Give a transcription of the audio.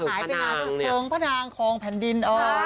หายไปนานแต่โครงพระนางคลองแผ่นดิน